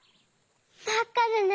まっかでね。